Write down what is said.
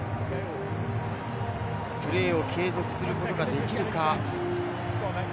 プレーを継続することができるか？